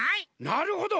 なるほど。